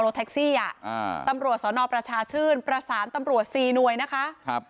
แท็กซี่อ่ะอ่าตำรวจสนประชาชื่นประสานตำรวจสี่หน่วยนะคะครับ